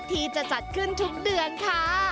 ที่จะจัดขึ้นทุกเดือนค่ะ